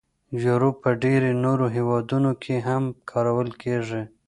یورو په ډیری نورو هیوادونو کې هم کارول کېږي.